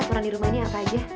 asuran di rumah ini apa aja